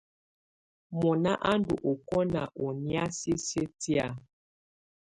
Mɔna á ndù ɔkɔna ɔ ɔnɛ̀á sisiǝ́ tɛ̀á.